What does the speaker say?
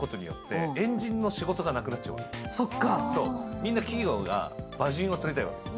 みんな企業が馬人をとりたいわけ。